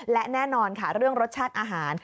และแน่นอนค่ะเรื่องรสชาติอาหาร